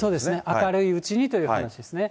明るいうちにという話ですね。